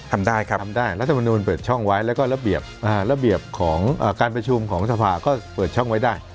ทำได้ครับทำได้รัฐมนุนเปิดช่องไว้แล้วก็ระเบียบระเบียบของการประชุมของสภาก็เปิดช่องไว้ได้